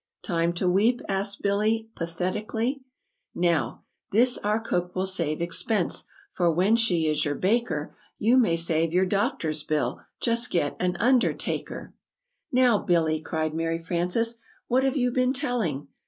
"Time to weep?" asked Billy, pa thet i cal ly. "Now, this, our cook will save expense, For when she is your baker, You may save your doctor's bill Just get an undertaker." [Illustration: "Oh, Bob, I say "] "Now, Billy," cried Mary Frances, "what have you been telling?"